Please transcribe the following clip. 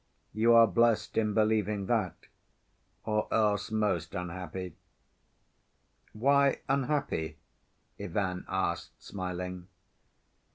"You are blessed in believing that, or else most unhappy." "Why unhappy?" Ivan asked smiling.